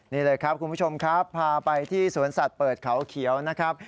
นี่เลยครับคุณผู้ชมครับพาไปที่สวนสัตว์เปิดเขาเขียวนะครับ